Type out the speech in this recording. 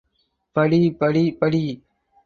படி, படி, படி!